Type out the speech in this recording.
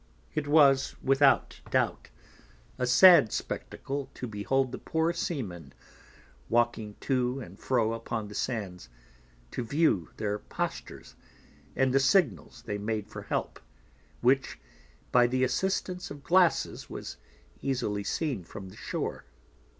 It was, without doubt, a sad Spectacle to behold the poor Seamen walking too and fro upon the Sands, to view their Postures, and the Signals they made for help, which, by the Assistance of Glasses was easily seen from the Shore.